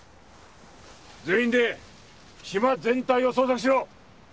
全員で島全体を捜索しろ！